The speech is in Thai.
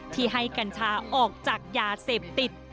ที่ให้กัญชาออกจากยาเสพติด